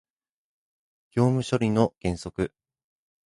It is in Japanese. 業務処理の原則